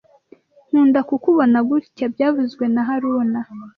Nkunda kukubona gutya byavuzwe na haruna